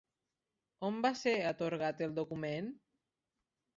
On va ser atorgat el document?